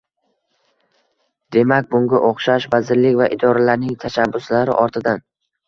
Demak bunga o‘xshash – vazirlik va idoralarning tashabbuslari ortidan